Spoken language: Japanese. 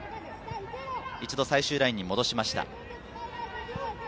一度、最終ラインに戻しました。